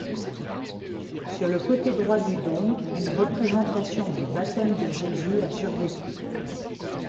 Sur le côté droit du dôme, une représentation du baptême de Jésus a survécu.